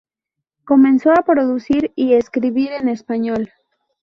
Comenzó a producir y escribir en español.